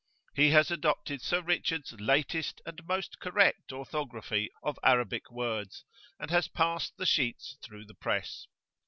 He has adopted Sir Richard's latest and [p.xvii]most correct orthography of Arabic words, and has passed the sheets through the press.